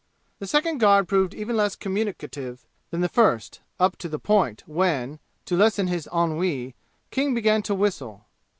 The second guard proved even less communicative than the first, up to the point when, to lessen his ennui, King began to whistle.